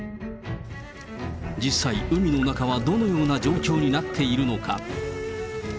実際、海の中はどのような状況になっているのか。